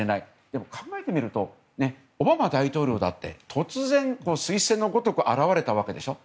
でも考えてみるとオバマ大統領だって突然、すい星のごとく現れたわけでしょ。